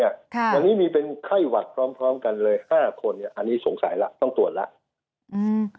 วันนี้มีเป็นไข้หวัดพร้อมกันเลย๕คนอันนี้สงสัยแล้วต้องตรวจแล้ว